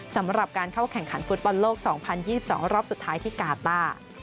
สำหรับการเข้าแข่งขันฟุตบอลโลก๒๐๒๒รอบสุดท้ายที่กาต้า